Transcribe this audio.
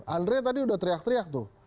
andre tadi udah teriak teriak tuh